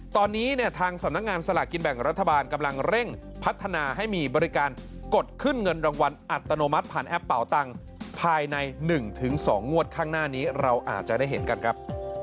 ตอนนี้เนี่ยทางสำนักงานสลากกินแบ่งรัฐบาลกำลังเร่งพัฒนาให้มีบริการกดขึ้นเงินรางวัลอัตโนมัติผ่านแอปเป่าตังค์ภายใน๑๒งวดข้างหน้านี้เราอาจจะได้เห็นกันครับ